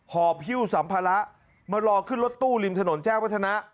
หอบฮิ้วสัมภาระมารอขึ้นรถตู้ริมถนนแจ้งวัฒนะ